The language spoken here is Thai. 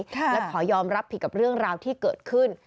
และขอยอมรับผิดกับเรื่องราวที่เกิดขึ้น